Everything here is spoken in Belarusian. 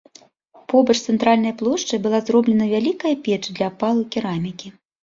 Побач з цэнтральнай плошчай была зроблена вялікая печ для абпалу керамікі.